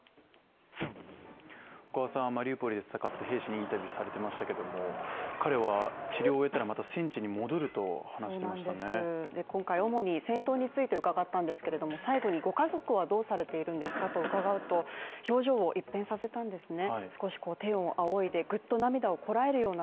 小川さんはマリウポリで戦った兵士にインタビューされてましたけども、彼は治療を終えたらまた戦地に戻ると話したんですね今回主に戦闘について伺ったんですけれども最後にご家族はどうされているんですかと伺うと、表情を一変させたんですね